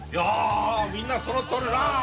みんなそろっておるな！